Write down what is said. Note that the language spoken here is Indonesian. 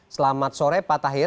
selamat sore pak tahir